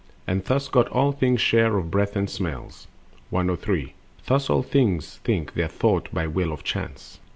And thus got all things share of breath and smells. On the Psychic Life. 103. Thus all things think their though[t] by will of Chance.